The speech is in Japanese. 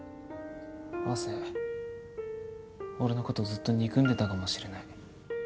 亜生俺のことずっと憎んでたかもしれない。